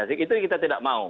itu kita tidak mau